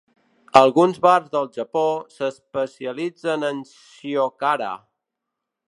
Alguns bars del Japó s'especialitzen en "shiokara".